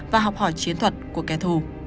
và học hỏi chiến thuật của kẻ thù